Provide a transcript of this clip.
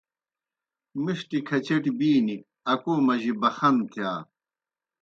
مِݜٹیْ کھچٹیْ بِینیْ اکو مجی بخنہ تِھیا۔